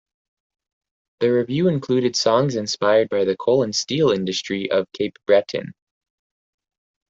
The revue included songs inspired by the coal and steel industry of Cape Breton.